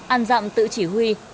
ăn dặm tự chỉ huy